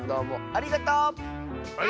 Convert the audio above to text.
ありがとう！